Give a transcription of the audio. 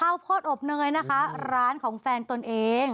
ข้าวโพดอบเนยนะคะร้านของแฟนตนเอง